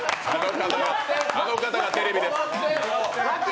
あの方がテレビです。